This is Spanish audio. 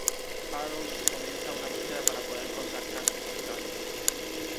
Harold comienza una búsqueda para poder contactarse con Karen.